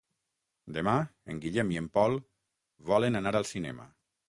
Demà en Guillem i en Pol volen anar al cinema.